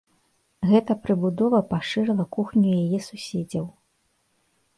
Гэта прыбудова пашырыла кухню яе суседзяў.